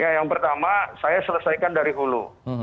yang pertama saya selesaikan dari hulu